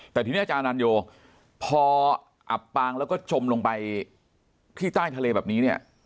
แต่ทีนี้อาจารย์อนันโยพออับปางแล้วก็จมลงไปที่ใต้ทะเลแบบนี้เนี่ย